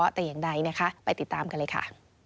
แต่อย่างใดนะคะไปติดตามกันเลยค่ะ